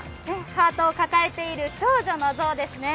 ハートを抱えている少女の像ですね。